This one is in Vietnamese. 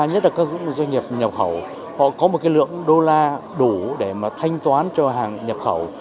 nhất là các doanh nghiệp nhập khẩu họ có một lượng đô la đủ để mà thanh toán cho hàng nhập khẩu